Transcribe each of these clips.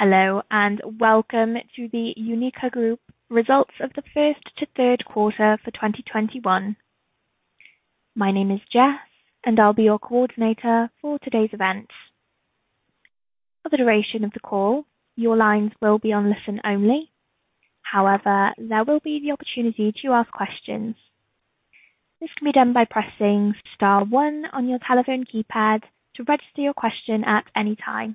Hello, and welcome to the UNIQA Group results of the Q1 to Q3 for 2021. My name is Jess, and I'll be your coordinator for today's event. For the duration of the call, your lines will be on listen-only. However, there will be the opportunity to ask questions. This can be done by pressing star one on your telephone keypad to register your question at any time.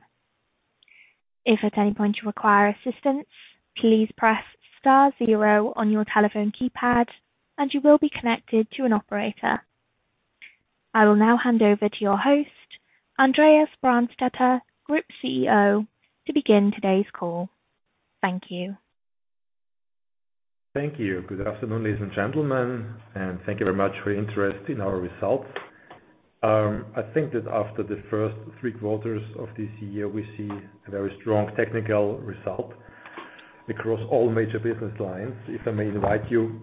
If at any point you require assistance, please press star zero on your telephone keypad, and you will be connected to an operator. I will now hand over to your host, Andreas Brandstetter, Group CEO, to begin today's call. Thank you. Thank you. Good afternoon, ladies and gentlemen, and thank you very much for your interest in our results. I think that after the first three quarters of this year, we see a very strong technical result across all major business lines. If I may invite you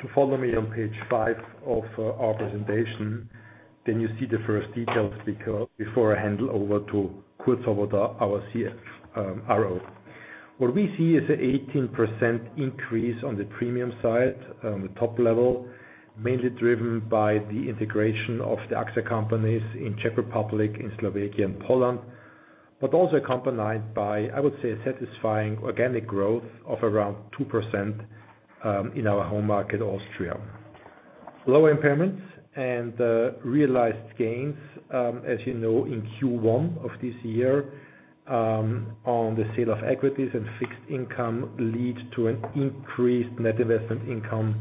to follow me on page five of our presentation, then you see the first details before I hand over to Kurt Svoboda, our CFO. What we see is 18% increase on the premium side, on the top level, mainly driven by the integration of the AXA companies in Czech Republic, in Slovakia and Poland. Also accompanied by, I would say, a satisfying organic growth of around 2% in our home market, Austria. Lower impairments and realized gains, as you know, in Q1 of this year, on the sale of equities and fixed income led to an increased net investment income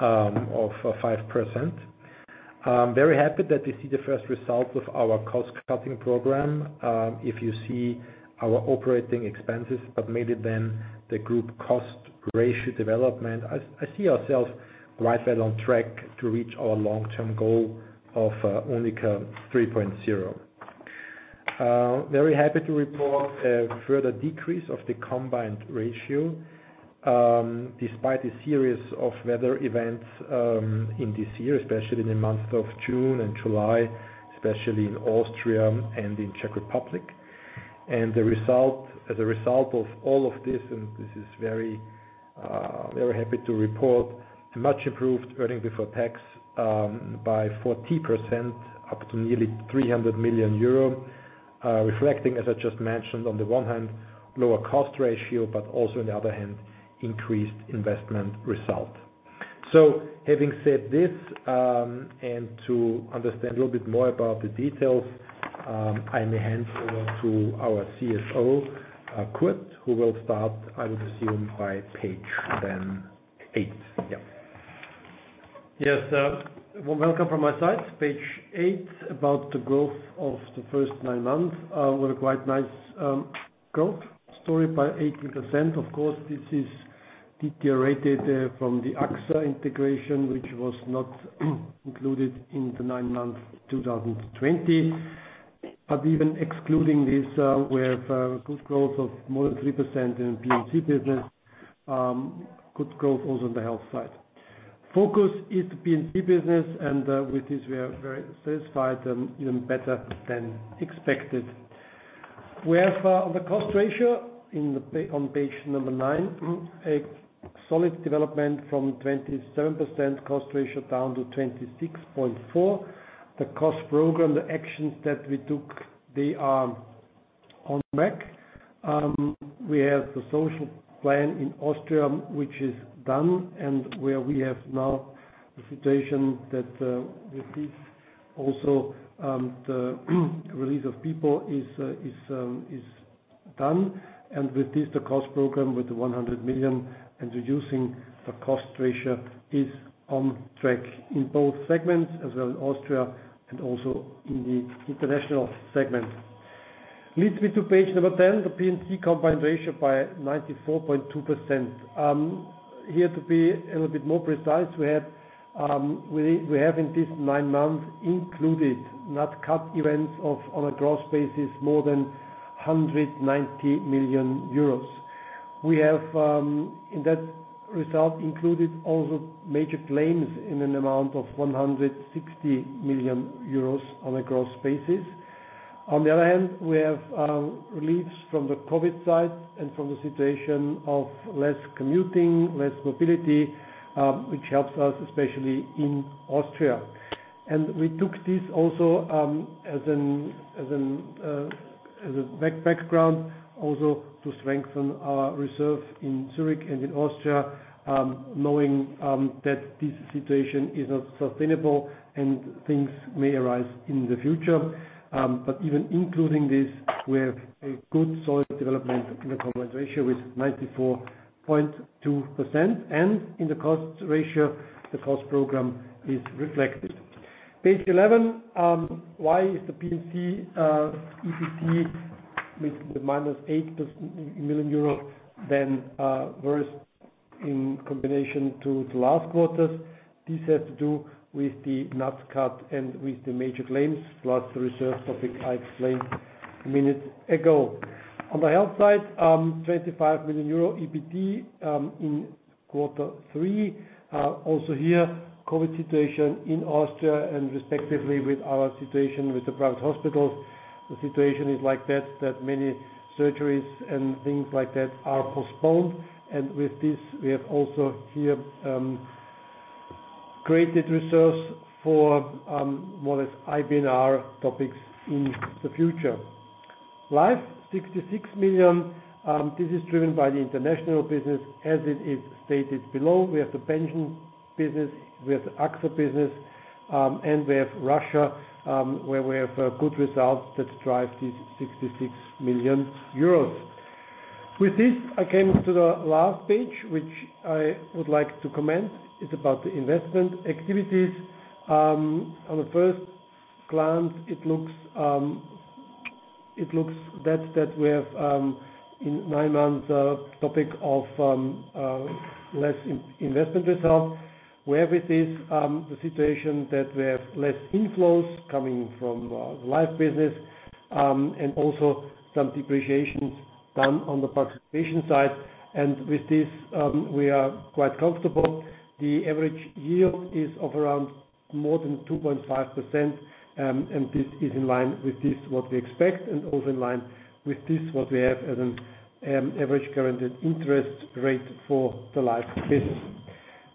of 5%. I'm very happy that we see the first result of our cost-cutting program. If you see our operating expenses, but mainly then the group cost ratio development. I see ourselves right well on track to reach our long-term goal of UNIQA 3.0. Very happy to report a further decrease of the combined ratio, despite a series of weather events in this year, especially in the months of June and July, especially in Austria and in Czech Republic. As a result of all of this is very, very happy to report a much improved earnings before tax by 40% up to nearly 300 million euro. Reflecting, as I just mentioned, on the one hand, lower cost ratio, but also, on the other hand, increased investment result. Having said this, and to understand a little bit more about the details, I may hand over to our CFO, Kurt, who will start, I would assume, by page eight. Yes. Welcome from my side. Page eight, about the growth of the first nine months, were quite nice. Growth story by 18%. Of course, this is driven from the AXA integration, which was not included in the nine months 2020. Even excluding this, we have good growth of more than 3% in P&C business. Good growth also on the health side. Focus is P&C business and with this we are very satisfied and even better than expected. We have on the cost ratio on page nine, a solid development from 27% cost ratio down to 26.4%. The cost program, the actions that we took, they are on track. We have the social plan in Austria, which is done and where we have now the situation that, with this also, the release of people is done. With this, the cost program with the 100 million and reducing the cost ratio is on track in both segments, as well in Austria and also in the international segment. Leads me to page 10, the P&C combined ratio by 94.2%. Here to be a little bit more precise, we have in this nine months included nat cat events of, on a gross basis, more than 190 million euros. We have in that result included also major claims in an amount of 160 million euros on a gross basis. On the other hand, we have reliefs from the COVID side and from the situation of less commuting, less mobility, which helps us especially in Austria. We took this also as a background also to strengthen our reserve in Zurich and in Austria, knowing that this situation is not sustainable and things may arise in the future. Even including this, we have a good solid development in the combined ratio with 94.2%. In the cost ratio, the cost program is reflected. Page 11, why is the P&C EBT with the -8 million euro then worse in comparison to the last quarters? This has to do with the nat cat and with the major claims, plus the reserve topic I explained minutes ago. On the health side, 25 million euro EBT in Quarter 3. Also here, COVID situation in Austria and respectively with our situation with the private hospitals. The situation is like that many surgeries and things like that are postponed. With this, we have also here created reserves for more or less IBNR topics in the future. Life, 66 million, this is driven by the international business. As it is stated below, we have the pension business, we have the AXA business, and we have Russia, where we have good results that drive these 66 million euros. With this, I came to the last page, which I would like to comment. It's about the investment activities. On the first glance, it looks that we have in nine months topic of less investment results, where with this the situation that we have less inflows coming from life business and also some depreciations done on the participation side. With this we are quite comfortable. The average yield is of around more than 2.5%, and this is in line with what we expect and also in line with what we have as an average current interest rate for the life business.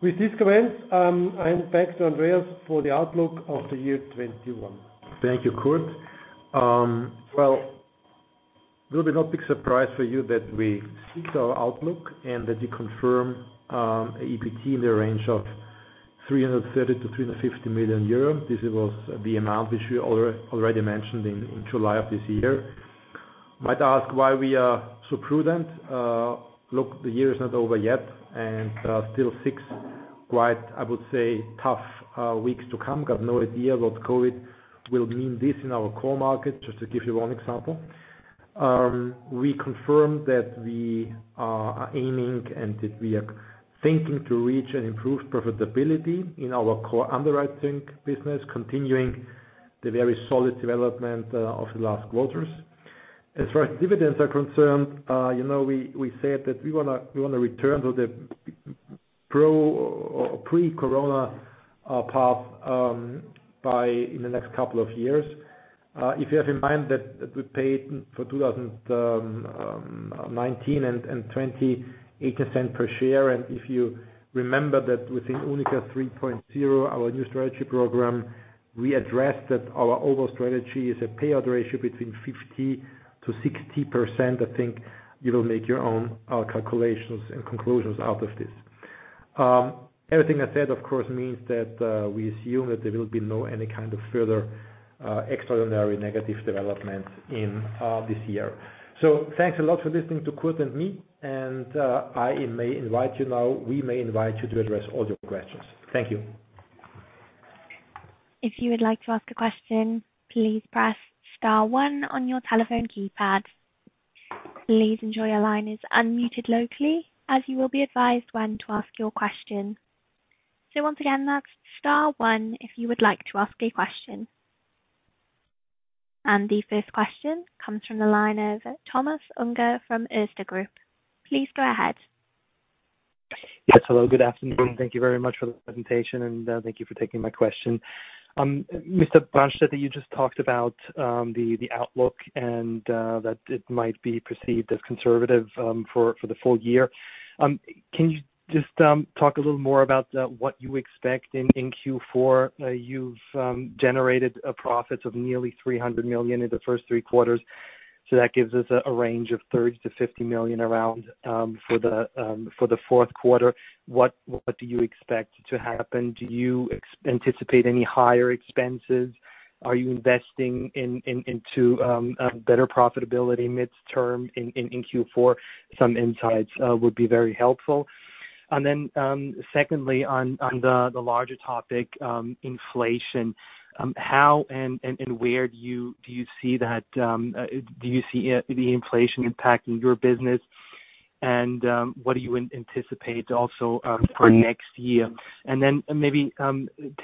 With this comments, I hand back to Andreas for the outlook of the year 2021. Thank you, Kurt. Well, it will be no big surprise for you that we stick to our outlook and that we confirm EBT in the range of 330 million-350 million euro. This was the amount which we already mentioned in July of this year. You might ask why we are so prudent. Look, the year is not over yet and still six quite tough weeks to come. I've got no idea what COVID will mean for us in our core market, just to give you one example. We confirm that we are aiming and that we are thinking to reach an improved profitability in our core underwriting business, continuing the very solid development of the last quarters. As far as dividends are concerned, you know, we said that we wanna return to the pre-corona path in the next couple of years. If you have in mind that we paid for 2019 and 2020, 8% per share. If you remember that within UNIQA 3.0, our new strategy program, we addressed that our overall strategy is a payout ratio between 50%-60%. I think you will make your own calculations and conclusions out of this. Everything I said, of course, means that we assume that there will be no any kind of further extraordinary negative developments in this year. Thanks a lot for listening to Kurt and me. We may invite you to address all your questions. Thank you. If you would like to ask a question, please press star one on your telephone keypad. Please ensure your line is unmuted locally, as you will be advised when to ask your question. Once again, that's star one if you would like to ask a question. The first question comes from the line of Thomas Unger from Erste Group. Please go ahead. Yes, hello, good afternoon. Thank you very much for the presentation, and thank you for taking my question. Mr. Brandstetter, you just talked about the outlook and that it might be perceived as conservative for the full year. Can you just talk a little more about what you expect in Q4? You've generated a profit of nearly 300 million in the first three quarters, so that gives us a range of 30 million-50 million around for the Q4. What do you expect to happen? Do you anticipate any higher expenses? Are you investing into a better profitability midterm in Q4? Some insights would be very helpful. Secondly, on the larger topic, inflation, how and where do you see the inflation impacting your business? What do you anticipate also for next year? Maybe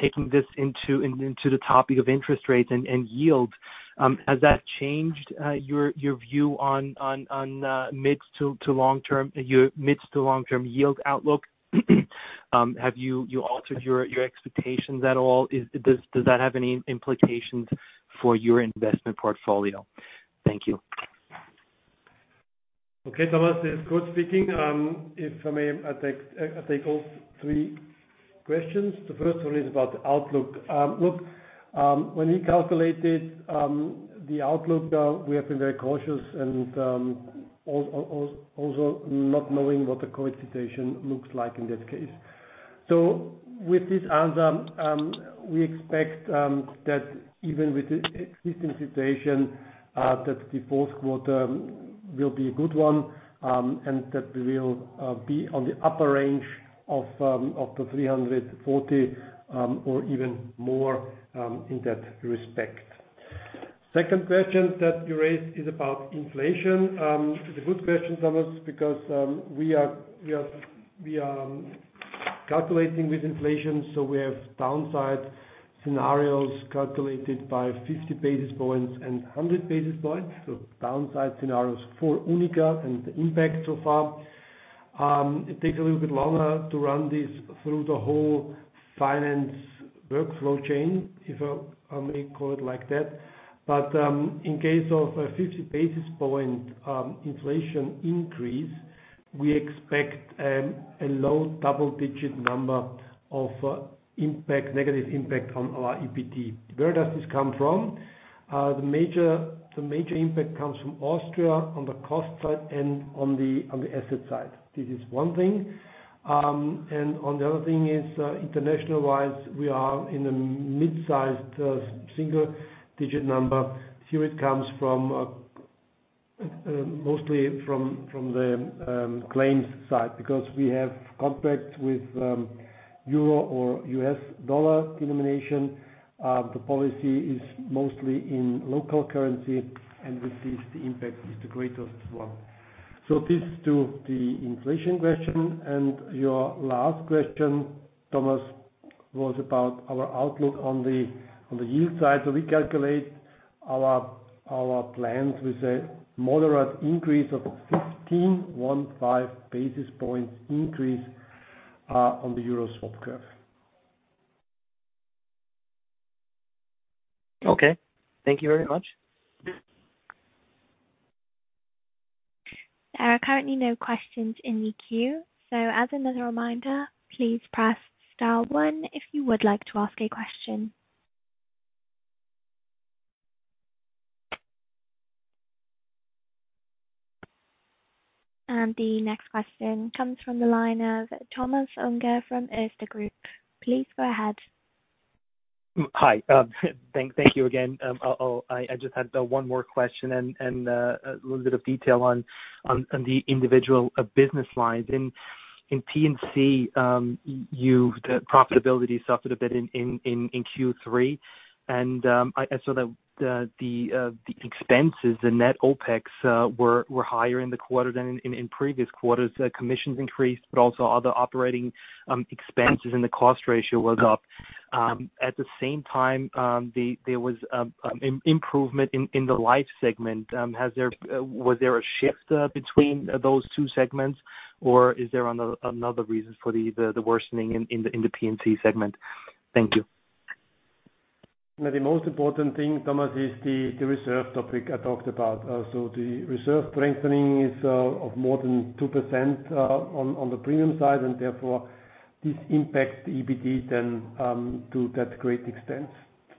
taking this into the topic of interest rates and yields, has that changed your view on mid- to long-term yield outlook? Have you altered your expectations at all? Does that have any implications for your investment portfolio? Thank you. Okay, Thomas. This is Kurt speaking. If I may, I take all three questions. The first one is about the outlook. When we calculated the outlook, we have been very cautious and also not knowing what the COVID situation looks like in that case. With this answer, we expect that even with the existing situation, that the Q4 will be a good one, and that we will be on the upper range of 340 or even more, in that respect. Second question that you raised is about inflation. It's a good question, Thomas, because we are calculating with inflation, so we have downside scenarios calculated by 50 basis points and 100 basis points. Downside scenarios for UNIQA and the impact so far. It takes a little bit longer to run this through the whole finance workflow chain, if we call it like that. In case of a 50 basis point inflation increase, we expect a low double-digit number of impact, negative impact on our EBT. Where does this come from? The major impact comes from Austria on the cost side and on the asset side. This is one thing. On the other thing is international-wise, we are in a mid-sized single-digit number. Here it comes from mostly from the claims side because we have contracts with Euro or US Dollar denomination. The policy is mostly in local currency and receives the impact is the greatest one. This is to the inflation question. Your last question, Thomas, was about our outlook on the yield side. We calculate our plans with a moderate increase of 15 basis points increase on the euro swap curve. Okay. Thank you very much. There are currently no questions in the queue. As another reminder, please press star one if you would like to ask a question. The next question comes from the line of Thomas Unger from Erste Group. Please go ahead. Hi. Thank you again. I just had one more question and a little bit of detail on the individual business lines. In P&C, the profitability suffered a bit in Q3. So the expenses, the net OpEx, were higher in the quarter than in previous quarters. Commissions increased but also other operating expenses and the cost ratio was up. At the same time, there was improvement in the life segment. Was there a shift between those two segments or is there another reason for the worsening in the P&C segment? Thank you. Now, the most important thing, Thomas, is the reserve topic I talked about. The reserve strengthening is of more than 2% on the premium side and therefore this impacts EBT then to that great extent.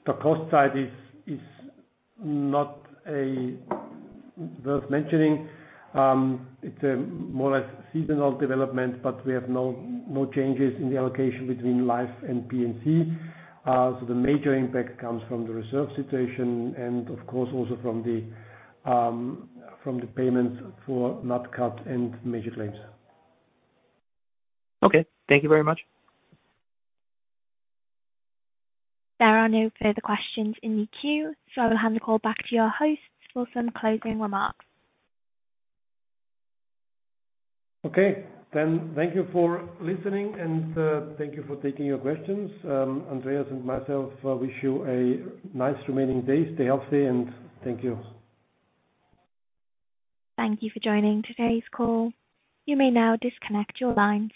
The cost side is not worth mentioning. It's a more or less seasonal development, but we have no changes in the allocation between life and P&C. The major impact comes from the reserve situation and of course also from the payments for nat cat and major claims. Okay. Thank you very much. There are no further questions in the queue, so I'll hand the call back to your hosts for some closing remarks. Okay. Thank you for listening and thank you for taking your questions. Andreas and myself wish you a nice remaining day. Stay healthy and thank you. Thank you for joining today's call. You may now disconnect your line.